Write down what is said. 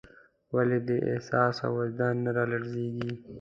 ولې دې احساس او وجدان نه رالړزېږي.